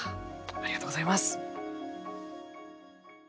ありがとうございます。